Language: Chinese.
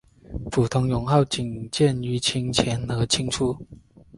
普通勇号仅见于清前和清初。